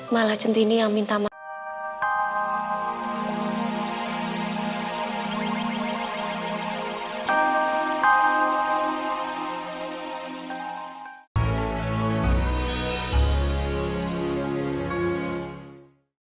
malah cinti ini yang minta maaf